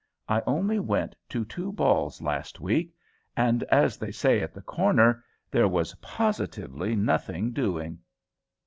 I only went to two balls last week, and, as they say at 'the corner,' 'there was positively nothing doing.'"